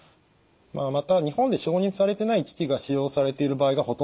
また日本で承認されてない機器が使用されている場合がほとんどです。